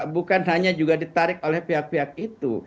bukan hanya juga ditarik oleh pihak pihak itu